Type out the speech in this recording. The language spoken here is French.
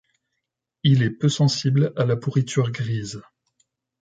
Il est peu sensible à la pourriture grise.